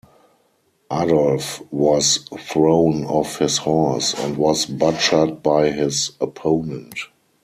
Adolf was thrown off his horse, and was butchered by his opponent.